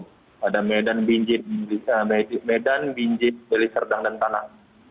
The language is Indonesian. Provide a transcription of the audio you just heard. pada bidang ru ada medan binjit deli serdang dan tanah